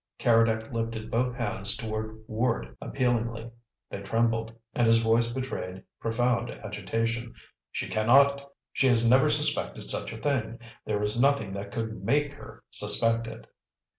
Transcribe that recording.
Keredec lifted both hands toward Ward appealingly; they trembled, and his voice betrayed profound agitation. "She cannot! She has never suspected such a thing; there is nothing that could MAKE her suspect it!"